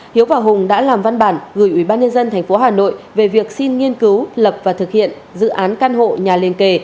hiếu và hùng đã làm văn bản gửi ubnd tp hà nội về việc xin nghiên cứu lập và thực hiện dự án căn hộ nhà liên kề